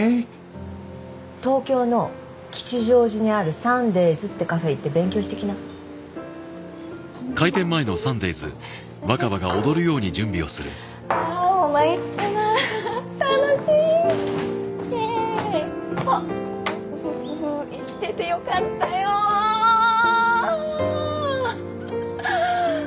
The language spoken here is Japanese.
東京の吉祥寺にあるサンデイズってカフェ行って勉強してきなああー参ったな楽しいイエーイほっ生きててよかったよー！